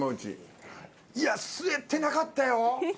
いや吸えてなかったよ。